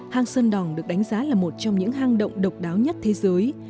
hang sơn đòn được đánh giá là một trong những hang động độc đáo nhất thế giới